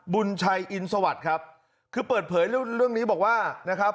บุญชัยอินสวัสดิ์ครับคือเปิดเผยเรื่องนี้บอกว่านะครับ